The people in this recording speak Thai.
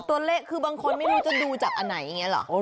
ตัวเลขคือบางคนไม่รู้จะดูจากอันไหนอย่างนี้หรอ